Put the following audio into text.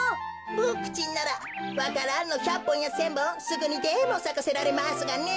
ボクちんならわか蘭の１００ぽんや１，０００ぼんすぐにでもさかせられますがね。